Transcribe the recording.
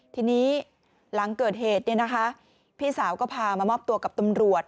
ทีนี้หลังเกิดเหตุพี่สาวก็พามามอบตัวกับตำรวจ